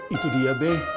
itu dia be